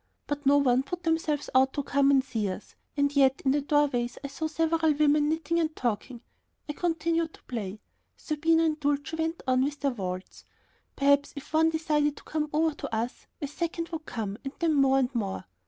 But no one put themselves out to come and see us, and yet in the doorways I saw several women knitting and talking. I continued to play, Zerbino and Dulcie went on with their waltz. Perhaps if one decided to come over to us, a second would come, then more and more.